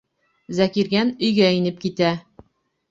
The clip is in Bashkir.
Зәкирйән өйгә инеп китә.